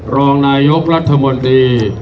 รองนายกรัฐมนตรี